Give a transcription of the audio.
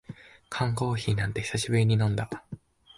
缶コーヒーなんて久しぶりに飲んだ